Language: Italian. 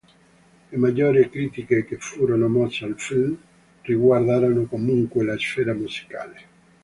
Le maggiori critiche che furono mosse al film, riguardarono comunque la sfera musicale.